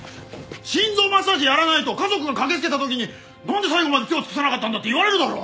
心臓マッサージやらないと家族が駆けつけた時になんで最後まで手を尽くさなかったんだって言われるだろ！